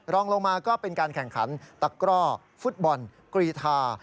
รองลงมาก็เป็นการแข่งขันตะกร่อฟุตบอลกรีธา